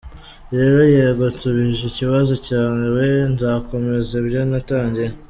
Rero, yego, nsubije ikibazo cyawe, nzakomeza ibyo natangiye.”